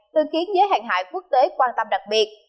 tương kiến giới hạn hại quốc tế quan tâm đặc biệt